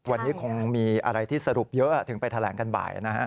วันนี้คงมีอะไรที่สรุปเยอะถึงไปแถลงกันบ่ายนะฮะ